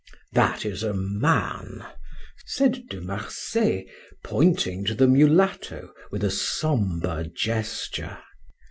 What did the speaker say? "That is a man," said De Marsay, pointing to the mulatto, with a sombre gesture.